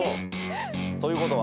ということは。